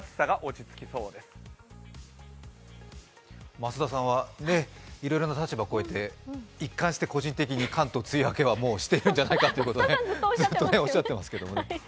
増田さんはいろいろな立場を超えて一貫して個人的に関東、個人的に梅雨明けしてるんじゃないかとずっとおっしゃっていますけれども。